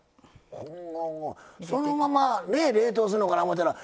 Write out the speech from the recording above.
そのままね冷凍するのかな